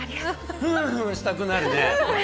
ふんふんしたくなるね。